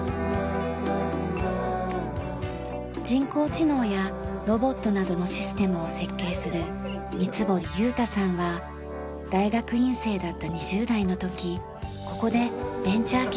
人工知能やロボットなどのシステムを設計する三ツ堀裕太さんは大学院生だった２０代の時ここでベンチャー企業を作りました。